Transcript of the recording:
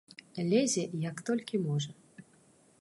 Лезе, як толькі можа.